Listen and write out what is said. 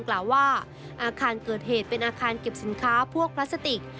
กล่าวว่าอาคารเกิดเหตุเป็นอาคารเก็บสินค้าพวกพลาสติก